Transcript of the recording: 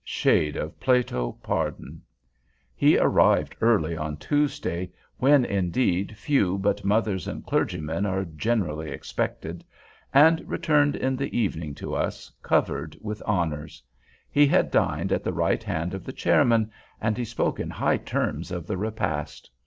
(Shade of Plato, pardon!) He arrived early on Tuesday, when, indeed, few but mothers and clergymen are generally expected, and returned in the evening to us, covered with honors. He had dined at the right hand of the chairman, and he spoke in high terms of the repast.